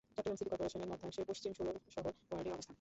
Chittagong city কর্পোরেশনের মধ্যাংশে পশ্চিম ষোলশহর ওয়ার্ডের অবস্থান।